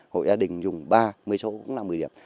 hội gia đình dùng ba mươi chỗ cũng là một mươi điểm